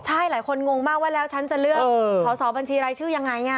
ใช่หลายคนงงมากว่าแล้วฉันจะเลือกสอสอบัญชีรายชื่อยังไง